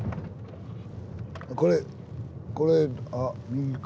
これこれあ右か。